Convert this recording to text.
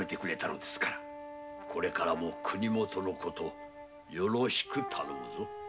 これからも国元のことよろしく頼むぞ。